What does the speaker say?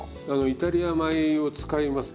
イタリア米を使います。